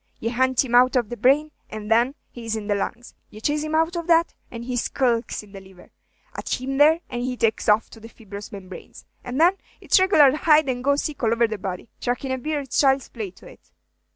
Ye hunt him out of the brain, and then he is in the lungs. Ye chase him out of that, and he skulks in the liver. At him there, and he takes to the fibrous membranes, and then it's regular hide and go seek all over the body. Trackin' a bear is child's play to it."